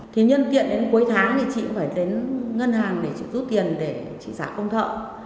thì nhân kiện đến cuối tháng thì chị cũng phải đến ngân hàng để chị rút tiền để chị giả công thợ